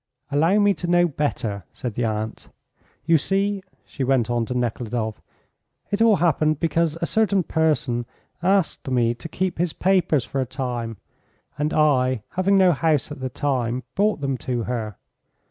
"Allow me to know better," said the aunt. "You see," she went on to Nekhludoff, "it all happened because a certain person asked me to keep his papers for a time, and I, having no house at the time, brought them to her.